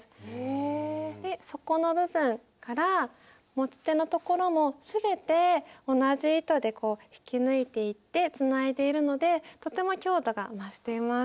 底の部分から持ち手のところも全て同じ糸で引き抜いていてつないでいるのでとても強度が増しています。